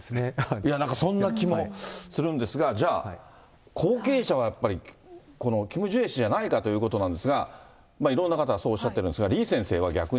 いや、なんかそんな気もするんですが、じゃあ、後継者はやっぱり、このキム・ジュエ氏じゃないかということなんですが、いろんな方がそうおっしゃってるんですが、李先生は逆に。